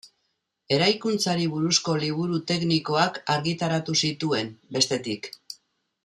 Eraikuntzari buruzko liburu teknikoak argitaratu zituen, bestetik.